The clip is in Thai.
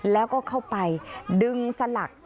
แล้วก็เข้าไปดึงสลัก